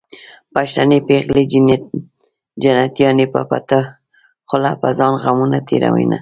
پښتنې پېغلې جنتيانې په پټه خوله په ځان غمونه تېروينه